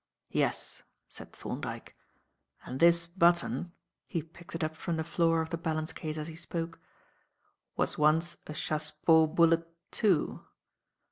"Yes," said Thorndyke; "and this button," he picked it up from the floor of the balance case as he spoke "was once a chassepot bullet, too.